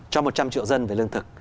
cho một trăm linh triệu dân về lương thực